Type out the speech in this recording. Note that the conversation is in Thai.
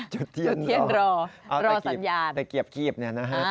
จุดเทียนรอรอสัญญาณแต่เกียบเนี่ยนะฮะอ๋อ